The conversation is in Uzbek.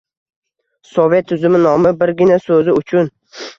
Sovet tuzumi nomi birgina so‘zi uchun